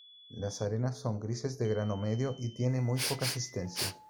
Las arenas son grises de grano medio y tiene muy poca asistencia.